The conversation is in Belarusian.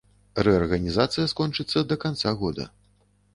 Рэарганізацыя скончыцца да канца года.